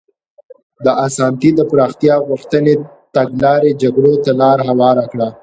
د اسانتي د پراختیا غوښتنې تګلارې جګړو ته لار هواره کړه.